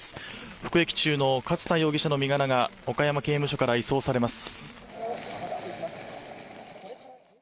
服役中の勝田容疑者の身柄が、岡山刑務所から移送されます。